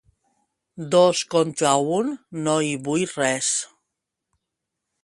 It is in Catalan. Dos contra un, no hi vull res.